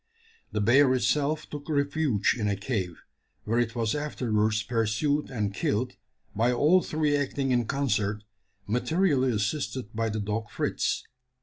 The bear itself took refuge in a cave, where it was afterwards pursued and killed, by all three acting in concert, materially assisted by the dog Fritz.